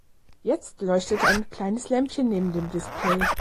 Jetzt leuchtet ein kleines Lämpchen neben dem Display.